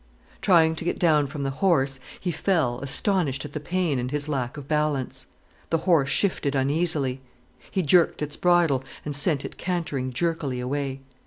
Trying to get down from the horse, he fell, astonished at the pain and his lack of balance. The horse shifted uneasily. He jerked its bridle and sent it cantering jerkily away.